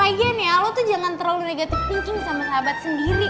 lagian ya lo tuh jangan terlalu negatif thinking sama sahabat sendiri